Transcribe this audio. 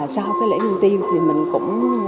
sau cái lễ nguyên tiêu thì mình cũng